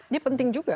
ya penting juga